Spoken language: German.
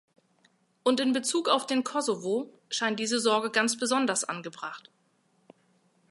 Und in bezug auf den Kosovo scheint diese Sorge ganz besonders angebracht.